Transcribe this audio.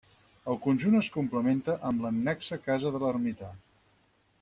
El conjunt es complementa amb l'annexa casa de l'ermità.